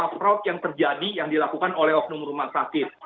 fraud yang terjadi yang dilakukan oleh oknum rumah sakit